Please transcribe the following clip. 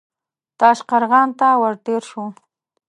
تاشقرغان ته ور تېر شو.